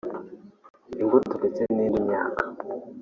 imbuto ndetse n’indi myaka